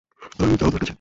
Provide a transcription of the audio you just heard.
তাহলে যাও তার কাছে!